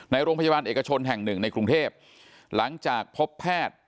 ในโรงพยาบาลเอกชนแห่ง๑ในกรุงเทพฯ